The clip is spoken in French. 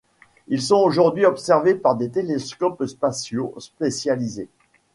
Ils sont aujourd'hui observés par des télescopes spatiaux spécialisés.